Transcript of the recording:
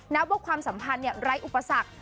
นับว่าความสัมพันธ์ไร้อุปสรรค